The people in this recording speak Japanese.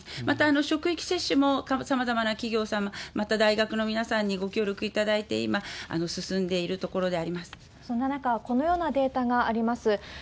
また、職域接種もさまざまな企業様、また大学の皆さんにご協力いただいて今、進んでいるところでありそんな中、このようなデータがあります。